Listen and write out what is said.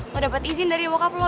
lo dapat izin dari bokap lo